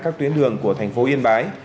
các tuyến đường của thành phố yên bái